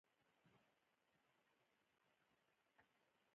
هندوکش د پوهنې په نصاب کې دی.